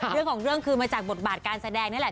เรื่องของเรื่องคือมาจากบทบาทการแสดงนี่แหละ